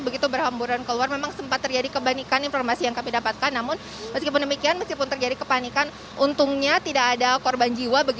jadi begitu berhamburan keluar memang sempat terjadi kepanikan informasi yang kami dapatkan namun meskipun demikian meskipun terjadi kepanikan untungnya tidak ada korban jiwa